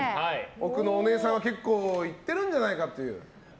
奥のお姉さんは結構いってるんじゃないかと。